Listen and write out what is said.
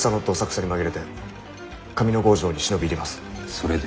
それで？